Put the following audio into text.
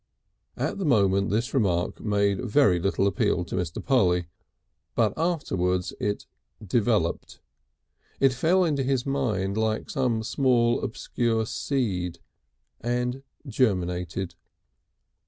At the moment this remark made very little appeal to Mr. Polly. But afterwards it developed. It fell into his mind like some small obscure seed, and germinated.